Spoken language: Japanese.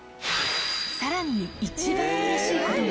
さらに一番うれしいことが。